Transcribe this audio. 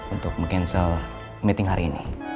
untuk meng cancel meeting hari ini